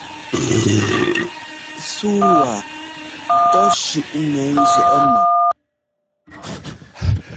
Súu waa tɔ́ shʉ́ʼnɛ njiɛʼ mɔ.